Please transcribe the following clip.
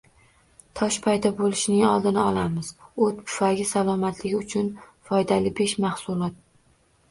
Tosh paydo bo‘lishining oldini olamiz: o‘t pufagi salomatligi uchun foydalibeshmahsulot